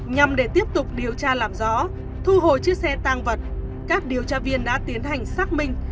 nhằm để tiếp tục điều tra làm rõ thu hồi chiếc xe tăng vật các điều tra viên đã tiến hành xác minh